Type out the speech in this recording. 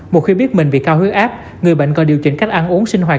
một khi biết mình bị cao huyết áp người bệnh còn điều chỉnh cách ăn uống sinh hoạt